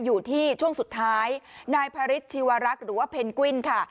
อยู่ที่ช่วงสุดท้ายนายพระฤทธิวรักษ์หรือว่าเพนกวินค่ะ